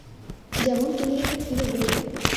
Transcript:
যেমন, তুমি এখানে কিভাবে এলে?